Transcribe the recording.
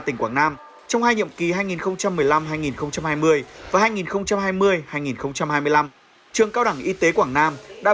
tỉnh quảng nam trong hai nhiệm kỳ hai nghìn một mươi năm hai nghìn hai mươi và hai nghìn hai mươi hai nghìn hai mươi năm trường cao đẳng y tế quảng nam đã